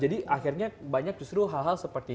jadi akhirnya banyak justru hal hal seperti itu